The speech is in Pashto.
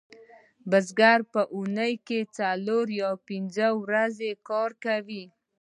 بزګران په اونۍ کې څلور یا پنځه ورځې کار کوي